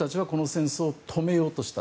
自分たちは、この戦争を止めようとした。